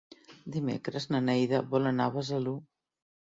Dimecres na Neida vol anar a Besalú.